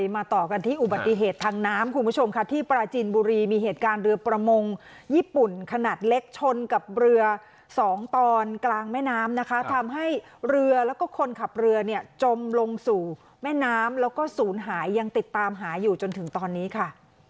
มาต่อกันที่อุบัติเหตุทางน้ำคุณผู้ชมค่ะที่ปราจีนบุรีมีเหตุการณ์เรือประมงญี่ปุ่นขนาดเล็กชนกับเรือสองตอนกลางแม่น้ำนะคะทำให้เรือแล้วก็คนขับเรือเนี่ยจมลงสู่แม่น้ำแล้วก็ศูนย์หายยังติดตามหาอยู่จนถึงตอนนี้ค่ะ